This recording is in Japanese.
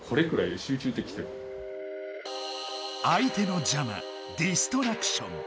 相手のじゃまディストラクション。